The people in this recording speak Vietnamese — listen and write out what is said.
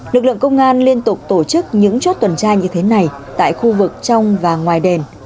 lực lượng công an liên tục tổ chức những chốt tuần tra như thế này tại khu vực trong và ngoài đền